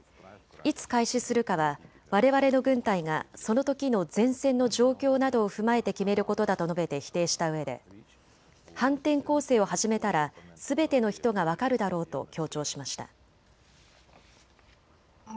いつ開始するかは、われわれの軍隊がそのときの前線の状況などを踏まえて決めることだと述べて否定したうえで反転攻勢を始めたらすべての人が分かるだろうと強調しました。